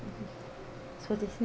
そうですね。